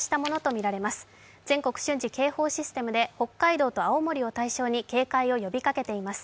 全国瞬時警報システムで北海道と青森に警戒を呼びかけています。